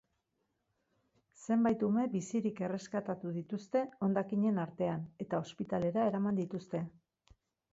Zenbait ume bizirik erreskatatu dituzte hondakinen artean eta ospitalera eraman dituzte.